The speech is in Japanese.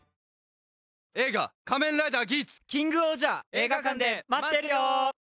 映画館で待ってるよ！